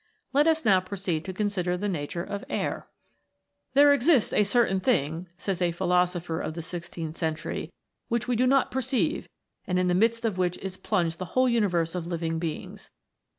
Let us now proceed to consi der the nature of Air. " There exists a certain thing," says a philosopher of the sixteenth century, " which we do not per ceive, and in the midst of which is plunged the whole xiniverse of living beings.